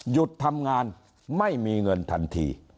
หยุดทำงานไม่มีเงินทันที